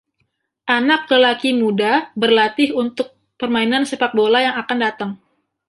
Anak lelaki muda berlatih untuk permainan sepak bola yang akan datang.